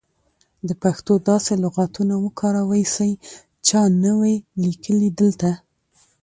د پښتو داسې لغاتونه وکاروئ سی چا نه وې لیکلي دلته.